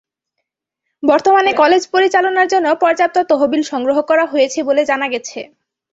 বর্তমানে কলেজ পরিচালনার জন্য পর্যাপ্ত তহবিল সংগ্রহ করা হয়েছে বলে জানা গেছে।